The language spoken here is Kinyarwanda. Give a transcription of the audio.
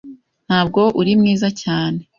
Ntabwo uri mwiza cyane.